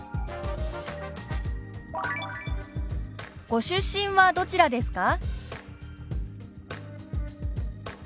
「ご出身はどちらですか？」。